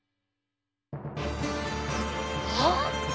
あっ！